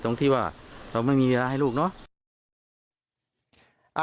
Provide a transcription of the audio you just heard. ตรงที่ว่าเราไม่มีเวลาให้ลูกเนาะ